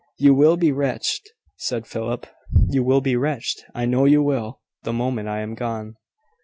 "You will be wretched," said Philip; "you will be wretched I know you will the moment I am gone."